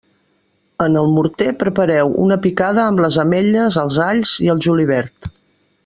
En el morter prepareu una picada amb les ametlles, els alls i el julivert.